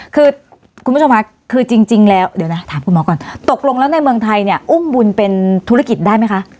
คือคุณผู้ชมค่ะคือจริงแล้วเดี๋ยวนะถามคุณหมอก่อนตกลงแล้วในเมืองไทยเนี่ยอุ้มบุญเป็นธุรกิจได้ไหมคะ